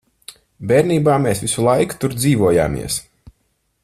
Bērnībā mēs visu laiku tur dzīvojāmies.